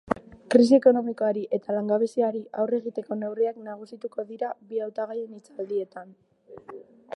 Krisi ekonomikoari eta langabeziari aurre egiteko neurriak nagusituko dira bi hautagaien hitzaldietan.